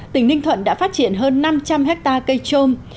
tỉnh ninh thuận đã phát triển hơn năm trăm linh hectare cây trôm